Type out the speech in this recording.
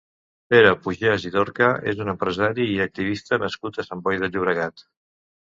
Pere Pugès i Dorca és un empresari i activista nascut a Sant Boi de Llobregat.